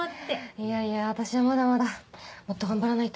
いやいや私はまだまだもっと頑張らないと。